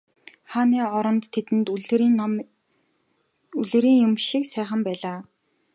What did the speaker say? Хааны ордон тэдэнд үлгэрийн юм шиг сайхан байлаа.